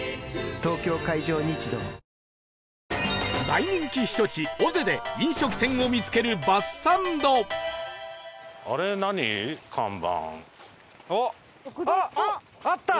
大人気避暑地尾瀬で飲食店を見つけるバスサンドあっ！あった！